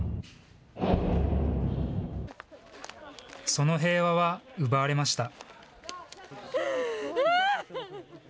その平和は奪われました。